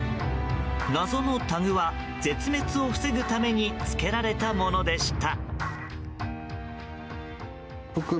謎のタグは絶滅を防ぐためにつけられたものでした。